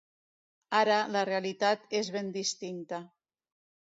Ara, la realitat és ben distinta.